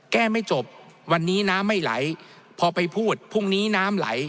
ไม่จบวันนี้น้ำไม่ไหลพอไปพูดพรุ่งนี้น้ำไหล